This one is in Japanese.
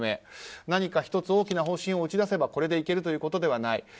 何か１つ大きな方針を打ち出せばこれでいけるということではない。